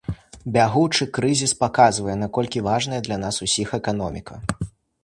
Бягучы крызіс паказвае, наколькі важная для нас усіх эканоміка.